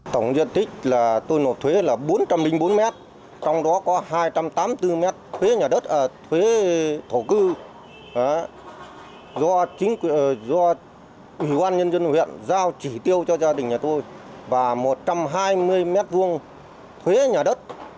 tổng diện tích tôi nộp thuế là bốn trăm linh bốn mét trong đó có hai trăm tám mươi bốn mét thuế nhà đất ở thuế thổ cư do ủy quan nhân dân huyện giao chỉ tiêu cho gia đình nhà tôi và một trăm hai mươi mét vuông thuế nhà đất